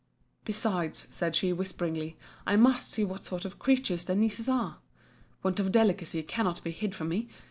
Besides, said she, whisperingly, I must see what sort of creatures the nieces are. Want of delicacy cannot be hid from me.